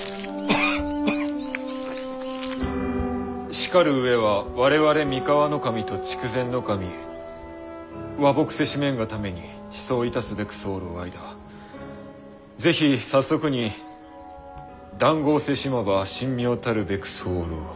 「しかる上は我々三河守と筑前守和睦せしめんがためにちそう致すべく候間是非早速に談合せしまば神妙たるべく候」。